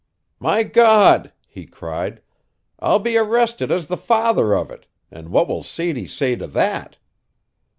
"My God!" he cried, "I'll be arrested as the father of it, and what will Sadie say to that?"